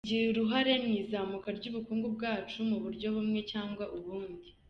Igira uruhare mu izamuka ry’ubukungu bwacu mu buryo bumwe cyangwa ubundi.